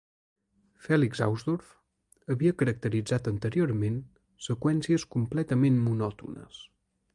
Felix Hausdorff havia caracteritzat anteriorment seqüències completament monòtones.